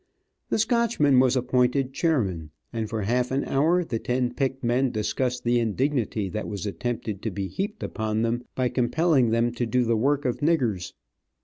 The Scotchman was appointed chairman, and for half an hour the ten picked men discussed the indignity that was attempted to be heaped upon them, by compelling them to do the work of niggers.